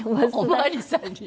お巡りさんに。